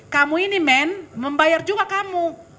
kamu ini men membayar juga kamu